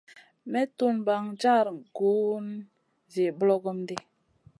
May tun ɓaŋ jar gun zi ɓlogom ɗi.